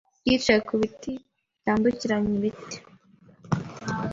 yicaye ku biti byambukiranya ibiti.